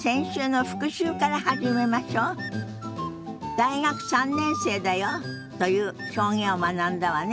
「大学３年生だよ」という表現を学んだわね。